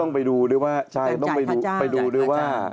ไปดูด้วยว่าใช่ต้องไปดูด้วยว่า